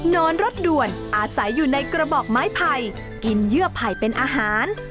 นอนรถด่วนอาศัยอยู่ในกระบอกไม้ไผ่กินเยื่อไผ่เป็นอาหาร